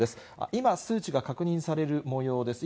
今、数値が確認されるもようです。